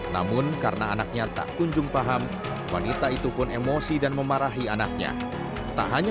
namun karena anaknya tak kunjung paham wanita itu pun emosi dan memarahi anaknya tak hanya